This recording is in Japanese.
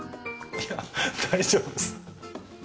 いやぁ、大丈夫ですよ。